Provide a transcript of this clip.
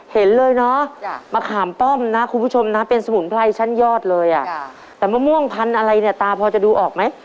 เห็นเลยเนาะมะขามป้อมนะคุณผู้ชมนะเป็นสมุนไพรชั้นยอดเลยอ่ะแต่มะม่วงพันธุ์อะไรเนี่ยตาพอจะดูออกไหม